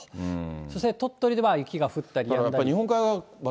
そして鳥取では雪が降ったりやんだり。